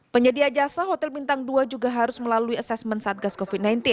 penyedia jasa hotel bintang dua juga harus melalui asesmen satgas covid sembilan belas